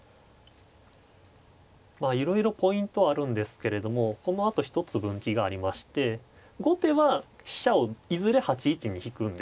まあいろいろポイントはあるんですけれどもこのあと一つ分岐がありまして後手は飛車をいずれ８一に引くんですよ。